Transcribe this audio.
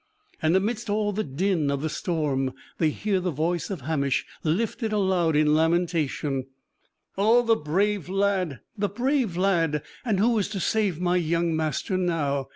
And amidst all the din of the storm they hear the voice of Hamish lifted aloud in lamentation: "Oh, the brave lad! the brave lad! And who is to save my young master now?